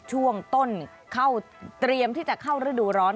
ช่วงต้นเข้าเตรียมที่จะเข้าฤดูร้อน